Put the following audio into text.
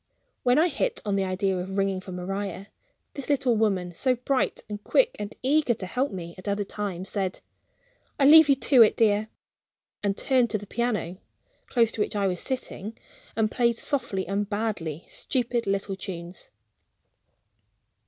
When I hit on the idea of ringing for Maria, this little woman, so bright, and quick and eager to help me at other times, said "I leave it to you, dear," and turned to the piano (close to which I was sitting), and played softly and badly stupid little tunes.